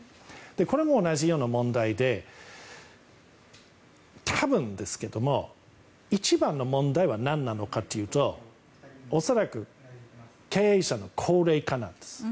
これも同じような問題で多分ですけど一番の問題は何なのかというと恐らく経営者の高齢化なんです。